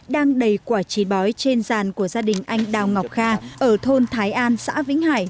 đang đầy quả trí bói trên sàn của gia đình anh đào ngọc kha ở thôn thái an xã vĩnh hải